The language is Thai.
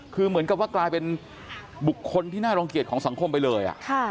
คือเหมือนกับว่ากลายเป็นบุคคลที่น่ารังเกียจของสังคมไปเลย